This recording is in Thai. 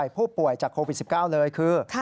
ผู้ป่วยจากโควิด๑๙เลยคือ